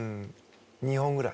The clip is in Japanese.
２本ぐらい。